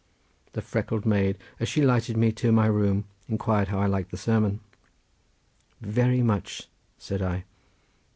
The freckled maid, as she lighted me to my room, inquired how I liked the sermon. "Very much," said I.